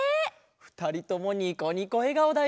ふたりともニコニコえがおだよ！